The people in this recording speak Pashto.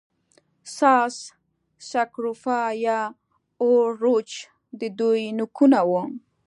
ساس سکروفا یا اوروچ د دوی نیکونه وو.